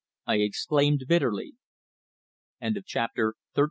I exclaimed bitterly. CHAPTER XIV.